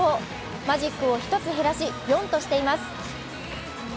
マジックを１つ減らし４としています。